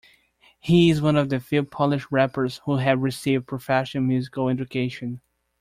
He is one of the few Polish rappers who have received professional musical education.